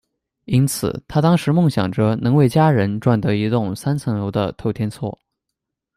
因此，她当时梦想着能为家人赚得一栋三层楼的透天厝。